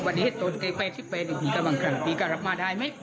ไม่อยากติดใจไล่